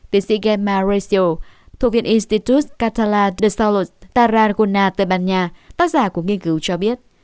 tiến sĩ gemma recio thuộc viện institut catala de salud tarragona tây ban nha tác giả của nghiên cứu cho biết